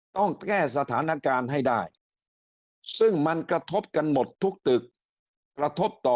ต้องแก้สถานการณ์ให้ได้ซึ่งมันกระทบกันหมดทุกตึกกระทบต่อ